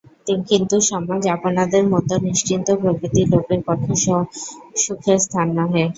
কিন্তু সমাজ আপনাদের মতো নিশ্চিন্তপ্রকৃতি লোকের পক্ষে সুখের স্থান নহে।